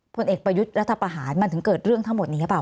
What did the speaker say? ผลเอกประยุทธ์รัฐประหารมันถึงเกิดเรื่องทั้งหมดนี้หรือเปล่า